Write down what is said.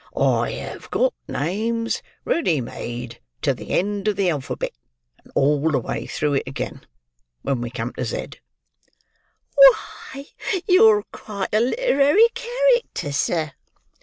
I have got names ready made to the end of the alphabet, and all the way through it again, when we come to Z." "Why, you're quite a literary character, sir!"